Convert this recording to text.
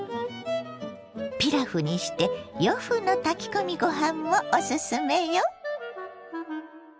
ピラフにして洋風の炊き込みご飯もおすすめよ。